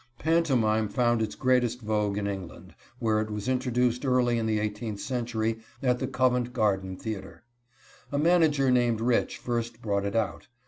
Pantomime found its greatest vogue in England, where it was introduced early in the eighteenth century at the Covent Garden Theater. A manager named Rich first brought it out.